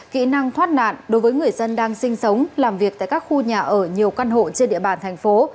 kỹ năng thoát nạn đối với người dân đang sinh sống làm việc tại các khu nhà ở nhiều căn hộ trên địa bàn thành phố